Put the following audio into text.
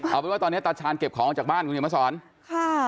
เอาเป็นว่าตอนนี้ตาชาญเก็บของออกจากบ้านคุณเขียนมาสอนค่ะ